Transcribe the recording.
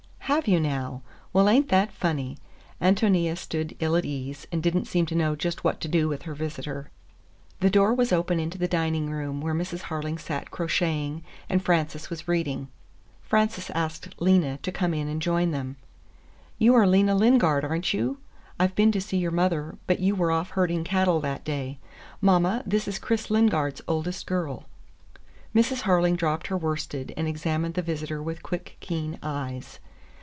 "Have you, now? Well, ain't that funny!" Ántonia stood ill at ease, and did n't seem to know just what to do with her visitor. The door was open into the dining room, where Mrs. Harling sat crocheting and Frances was reading. Frances asked Lena to come in and join them. "You are Lena Lingard, are n't you? I've been to see your mother, but you were off herding cattle that day. Mama, this is Chris Lingard's oldest girl." Mrs. Harling dropped her worsted and examined the visitor with quick, keen eyes.